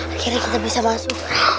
akhirnya kita bisa masuk